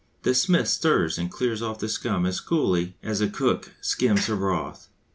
The smith stirs and clears off the scum as coolly as a cook skims her broth!